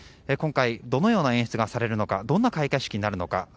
今回どのような演出がされるのかどんな開会式になるのか。